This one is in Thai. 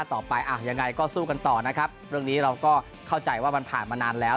ต่อไปอ่ะยังไงก็สู้กันต่อนะครับเรื่องนี้เราก็เข้าใจว่ามันผ่านมานานแล้ว